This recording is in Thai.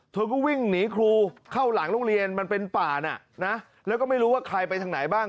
เธอก็วิ่งหนีครูเข้าหลังโรงเรียนมันเป็นป่าน่ะนะแล้วก็ไม่รู้ว่าใครไปทางไหนบ้าง